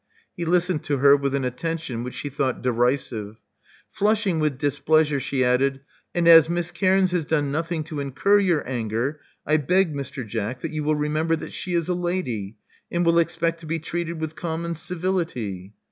He listened to her with an attention which she thought derisive. Flushing with displeasure, she added, And as Miss Cairns has done nothing to incur your anger, I beg, Mr. Jack, that you will remember that she is a lady, and will expect to be treated with common civility."